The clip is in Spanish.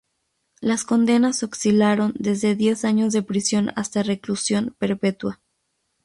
Las condenas oscilaron desde diez años de prisión hasta reclusión perpetua.